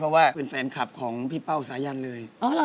เพราะว่าเป็นแฟนคลับของพี่เป้าสายันเลย